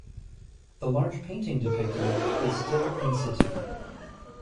The large painting depicting is still in situ.